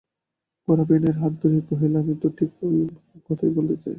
গোরা বিনয়ের হাত ধরিয়া কহিল, আমি তো ঠিক ঐ কথাই বলতে চাই।